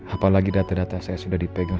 apalagi data data saya sudah dipegang